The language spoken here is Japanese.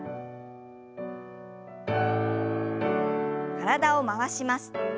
体を回します。